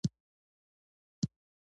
يوازې دمرغۍ پۍ پکې نه وې